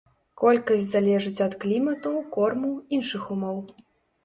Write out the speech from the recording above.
Колькасць залежыць ад клімату, корму, іншых умоў.